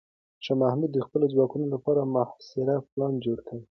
شاه محمود د خپلو ځواکونو لپاره د محاصرې پلان جوړ کړ.